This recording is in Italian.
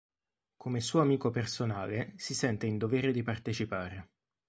Come suo amico personale, si sente in dovere di partecipare.